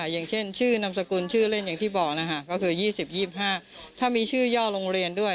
อย่างเช่นชื่อนามสกุลชื่อเล่นอย่างที่บอกนะคะก็คือ๒๐๒๕ถ้ามีชื่อย่อโรงเรียนด้วย